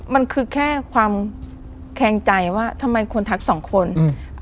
มันคือแค่ความแคงใจว่าทำไมคนทักสองคนอืม